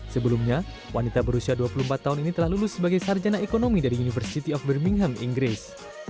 sebelumnya wanita berusia dua puluh empat tahun ini telah lulus sebagai sarjana ekonomi dari university of birmingham inggris